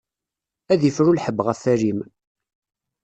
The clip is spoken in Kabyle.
Ad ifru lḥebb ɣef alim.